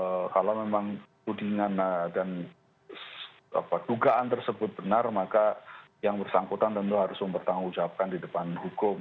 kalau memang tudingan dan dugaan tersebut benar maka yang bersangkutan tentu harus mempertanggungjawabkan di depan hukum